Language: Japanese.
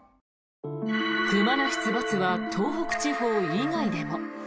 熊の出没は東北地方以外でも。